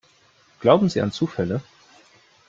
Glauben Sie an Zufälle?